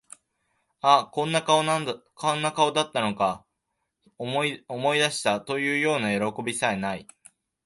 あ、こんな顔だったのか、思い出した、というようなよろこびさえ無い